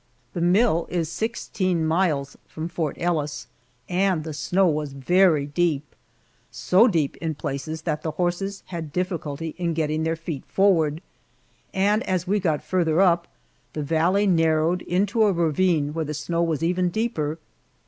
The mill is sixteen miles from Fort Ellis, and the snow was very deep so deep in places that the horses had difficulty in getting their feet forward, and as we got farther up, the valley narrowed into a ravine where the snow was even deeper.